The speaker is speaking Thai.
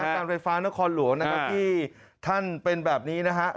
การไฟฟ้านครหลวงที่ท่านเป็นแบบนี้นะครับ